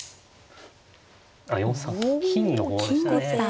あっ４三金の方でしたね。